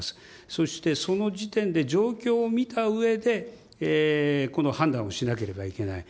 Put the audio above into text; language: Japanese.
そしてその時点で状況を見たうえで、判断をしなければいけない。